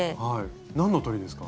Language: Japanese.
何の鳥ですか？